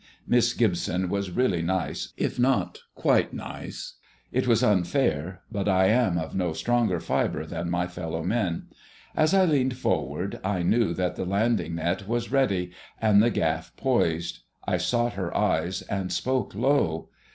Miss Gibson was really nice, if not "quite nice." It was unfair; but I am of no stronger fibre than my fellow men. As I leaned forward, I knew that the landing net was ready, and the gaff poised. I sought her eyes, and spoke low.